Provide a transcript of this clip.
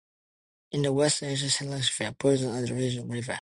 In the west, Eggenstein-Leopoldshafen borders on the Rhine River.